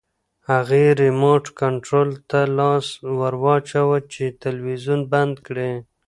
هغې ریموټ کنټرول ته لاس ورواچاوه چې تلویزیون بند کړي.